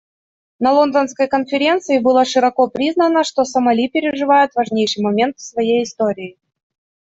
На Лондонской конференции было широко признано, что Сомали переживает важнейший момент в своей истории.